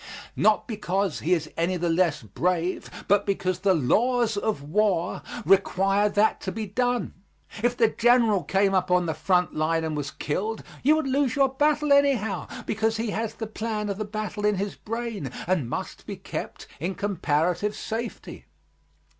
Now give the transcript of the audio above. Not because he is any the less brave, but because the laws of war require that to be done. If the general came up on the front line and were killed you would lose your battle anyhow, because he has the plan of the battle in his brain, and must be kept in comparative safety.